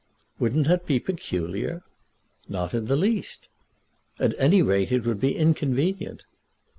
"Wouldn't that be peculiar?" "Not in the least." "At any rate it would be inconvenient."